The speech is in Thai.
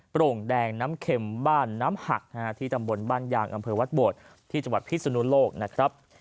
โปร่งแดงน้ำเข็มบ้านน้ำหักที่ตำบลบ้านยางอำเภอวัดโบดที่จังหวัดพิศนุโลกนะครับ